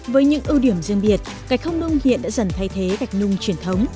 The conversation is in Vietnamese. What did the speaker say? với những ưu điểm riêng biệt gạch không nung hiện đã dần thay thế gạch nung truyền thống